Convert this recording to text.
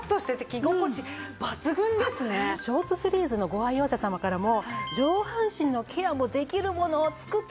ショーツシリーズのご愛用者様からも。